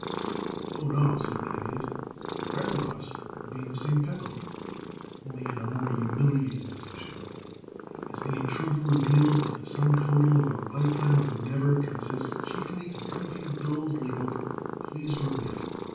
"Oh, no," said the Idiot, "for the rest of us will be in the same pickle, only in a more humiliating position as the intruder reveals that the sum total of out lifetime of endeavor consists chiefly in unpaid bills labeled Please Remit.